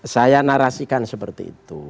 saya narasikan seperti itu